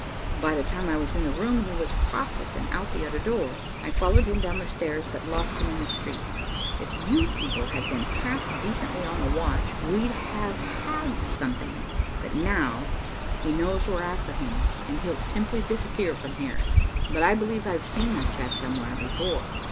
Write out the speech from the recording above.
By the time I was in the room he was across it and out the other door. I followed him down the stairs but lost him in the street. If you people had been half decently on the watch, we'd have had something, but now he knows we're after him and he'll simply disappear from here. But I believe I've seen that chap somewhere, before.